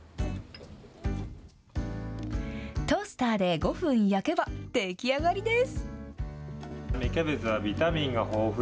トースターで５分焼けば、出来上がりです。